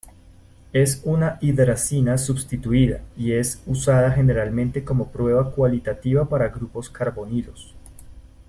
Es una hidrazina substituida y es usada generalmente como prueba cualitativa para grupos carbonilos.